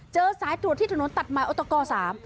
เจอสายตรวจที่ถนนตัดมายอุตกร๓